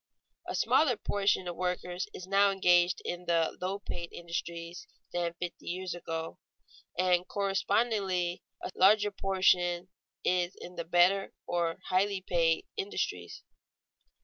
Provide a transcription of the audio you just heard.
_ A smaller proportion of workers is now engaged in the low paid industries than fifty years ago, and a correspondingly larger proportion is in the better, or highly paid, industries.